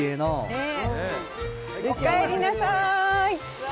おかえりなさい。